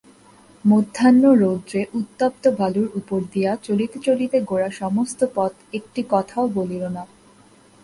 মধ্যাহ্নরৌদ্রে উত্তপ্ত বালুর উপর দিয়া চলিতে চলিতে গোরা সমস্ত পথ একটি কথাও বলিল না।